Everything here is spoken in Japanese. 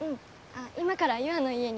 あっ今から優愛の家に。